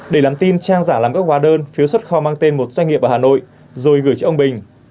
để làm tin trang giả làm các hóa đơn phiếu xuất kho mang tên một doanh nghiệp ở hà nội rồi gửi cho ông bình